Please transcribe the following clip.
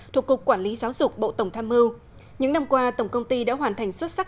thuộc cục quản lý giáo dục bộ tổng tham mưu những năm qua tổng công ty đã hoàn thành xuất sắc